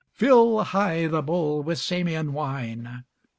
Fill high the bowl with Samian wine!